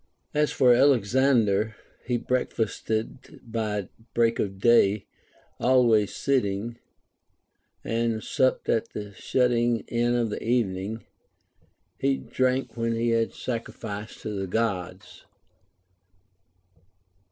6. As for Alexander, he breakfasted by break of day, always sitting ; and supped at the shutting in of the even iuCT ; he drank when he had sacrificed to the Gods.